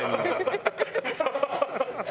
ハハハハ！